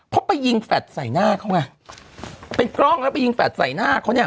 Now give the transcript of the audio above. เพราะไปยิงแฟลตใส่หน้าเขาไงเป็นกล้องแล้วไปยิงแฟดใส่หน้าเขาเนี่ย